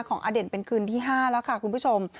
อเด่นเป็นคืนที่๕แล้วค่ะคุณผู้ชม